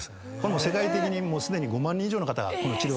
世界的にすでに５万人以上の方この治療を受けてますね。